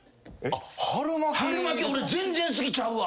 春巻き俺全然好きちゃうわ。